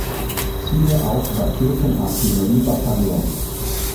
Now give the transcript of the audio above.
Siehe auch Raketenartilleriebataillon.